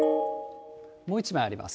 もう一枚あります。